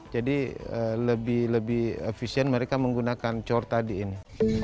jadi lebih efisien mereka menggunakan cor tadi ini